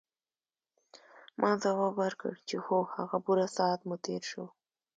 ما ځواب ورکړ چې هو ښه پوره ساعت مو تېر شو.